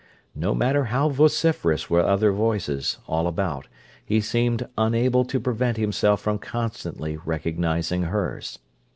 No matter how vociferous were other voices, all about, he seemed unable to prevent himself from constantly recognizing hers.